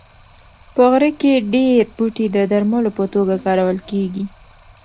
په غره کې ډېر بوټي د درملو په توګه کارول کېږي.